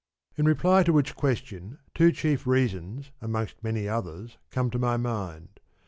In reply to which question, two chief reasons, amongst many others, come to my mind.